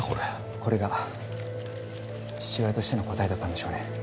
これが父親としての答えだったんでしょうね。